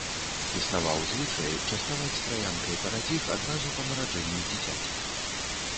Існаваў звычай частаваць траянкай парадзіх адразу па нараджэнні дзіцяці.